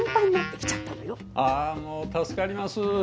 あもう助かります。